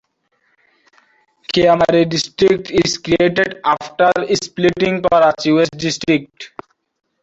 Keamari District is created after splitting Karachi West District.